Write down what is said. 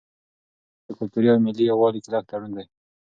پښتو ژبه زموږ د کلتوري او ملي یووالي کلک تړون دی.